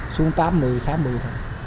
xuống tám mươi sáu mươi thôi